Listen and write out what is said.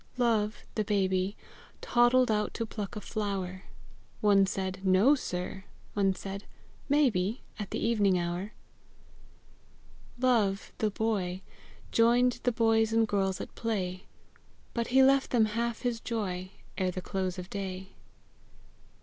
Love, the baby, Toddled out to pluck a flower; One said, "No, sir;" one said, "Maybe, At the evening hour!" Love, the boy, Joined the boys and girls at play; But he left them half his joy Ere the close of day.